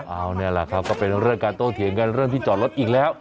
เอานี่แหละครับก็เป็นเรื่องการโต้เถียงกันเรื่องที่จอดรถอีกแล้ว